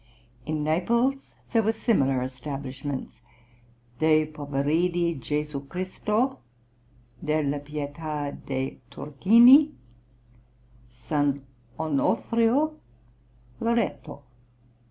In Naples were similar establishments, De Poveridi Gesù Christo; Della Pietà de' Turchini; S. Onofrio; Loretto.